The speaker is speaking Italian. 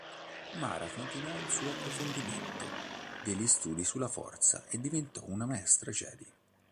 Mara continuò il suo approfondimento degli studi sulla Forza e diventò una Maestra Jedi.